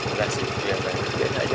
enggak sih biasa aja